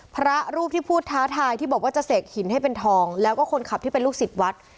พระรูปที่พูดท้าทายที่บอกว่าจะเสกหินให้เป็นทองแล้วก็คนขับที่เป็นลูกศิษย์วัด